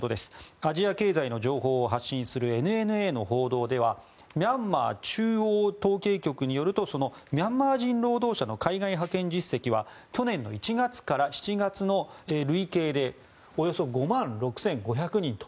アジア経済の情報を発信するＮＮＡの報道ではミャンマー中央統計局によるとミャンマー人労働者の海外派遣実績は去年１月から７月の累計でおよそ５万６５００人と。